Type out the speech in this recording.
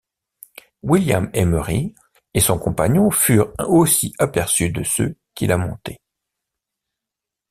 William Emery et son compagnon furent aussi aperçus de ceux qui la montaient.